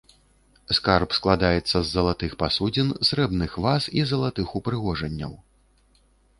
Скарб складаецца з залатых пасудзін, срэбных ваз і залатых упрыгожанняў.